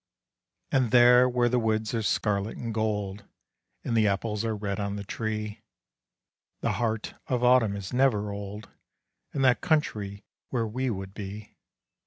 And there where the woods are scarlet and gold, And the apples are red on the tree, The heart of Autumn is never old In that country where we would be.